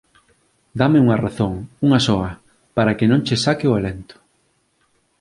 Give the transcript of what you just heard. Dáme unha razón, unha soa, para que non che saque o alento